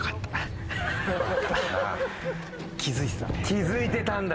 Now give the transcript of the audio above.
気付いてたんだ。